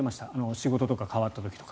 仕事とかかわった時とか。